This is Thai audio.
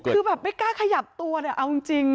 คือแบบไม่กล้าขยับตัวเลยเอาจริง